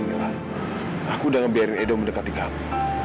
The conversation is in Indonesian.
bila aku udah ngebiarin edo mendekati kamu